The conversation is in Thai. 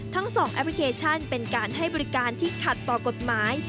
ทั้ง๒แอปพลิเคชันเป็นการให้บริการที่ขัดต่อกฎหมาย